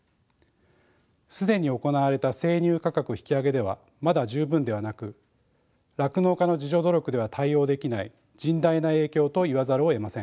既に行われた生乳価格引き上げではまだ十分ではなく酪農家の自助努力では対応できない甚大な影響と言わざるをえません。